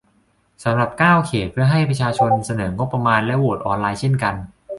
สำหรับ เก้า เขต เพื่อให้ประชาชนเสนองบประมาณ และ โหวตออนไลน์เช่นกัน